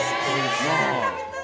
食べたい。